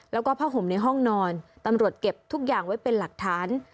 แล้วก็ผ้าห่มในห้องนอนตำรวจเก็บทุกอย่างไว้เป็นหลักฐาน